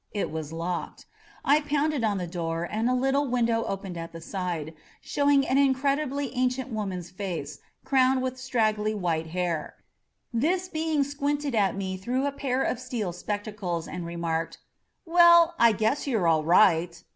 It was locked. I pounded on the door and a little window opened at the side, show ing an incredibly ancient woman's face, crowned with straggly white hair. This being squinted at me through a pair of steel spectacles and remarked, ^'Well, I guess you're all right!"